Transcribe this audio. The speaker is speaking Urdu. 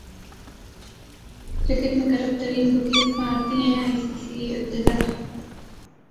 کرکٹ میں کرپٹ ترین بکیز بھارتی ہیں ائی سی سی عہدیدار